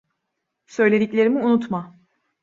Söylediklerimi unutma.